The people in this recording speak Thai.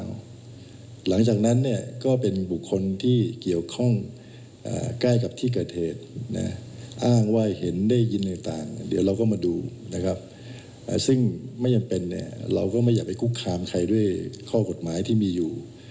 ว่าอย่าไปคุกขามใครด้วยข้อกฎหมายที่มีอยู่